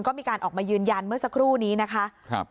ก็มีการออกมายืนยันเมื่อสักครู่นี้นะคะ